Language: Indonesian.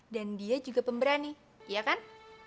dan dia juga pemberani iya kan